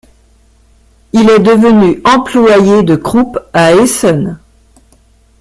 Il est devenu employé de Krupp à Essen.